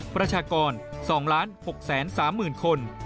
ประชากร๒๖๓๐๐๐คน